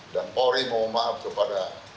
dan mori memohon maaf kepada